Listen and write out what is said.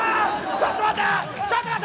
ちょっと待て！